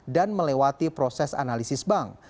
dan melewati proses analisis bank